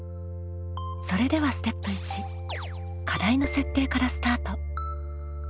それではステップ１課題の設定からスタート。